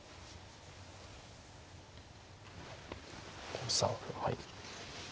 ５三歩はい。